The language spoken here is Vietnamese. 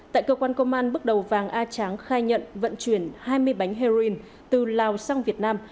tại cơ quan công an bước đầu vàng a tráng khai nhận vận chuyển hai mươi bánh heroin từ lào sang việt nam